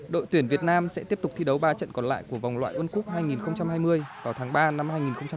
đội tuyển việt nam sẽ tiếp tục thi đấu ba trận còn lại của vòng loại world cup hai nghìn hai mươi vào tháng ba năm hai nghìn hai mươi